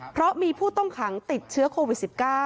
เพราะมีผู้ต้องขังติดเชื้อโควิด๑๙